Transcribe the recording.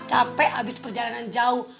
capek abis perjalanan jauh